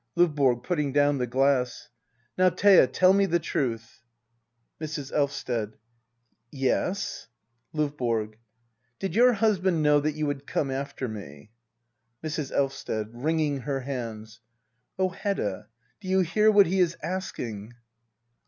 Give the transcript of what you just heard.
LOVBORG. [Putting dofvn the glass.'] Now, Thea — tell me the truth Mrs. Elvsted. Yes. LdVBORO. Did your husband know that you had come after me ? Mrs. Elvsted. [Wringing her hands,] Oh, Hedda — do you hear what he is asking